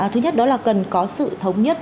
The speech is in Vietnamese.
thứ nhất đó là cần có sự thống nhất